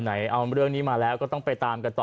เอาเรื่องนี้มาแล้วก็ต้องไปตามกันต่อ